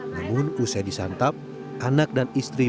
namun usai disantap anak dan istri